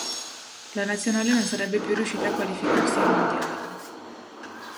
La nazionale non sarebbe più riuscita a qualificarsi ai mondiali.